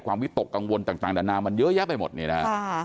ความวิตกกังวลต่างด่านหน้ามันเยอะแยะไปหมดเนี่ยนะ